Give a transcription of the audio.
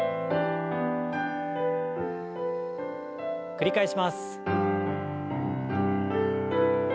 繰り返します。